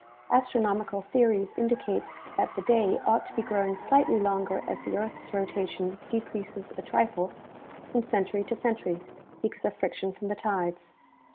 Astronomical theories indicate that the day ought to be growing slightly longer as the earth's rotation decreases a trifle from century to century because of friction from the tides.